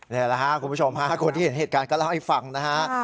นี่แหละครับคุณผู้ชมฮะคนที่เห็นเหตุการณ์ก็เล่าให้ฟังนะฮะ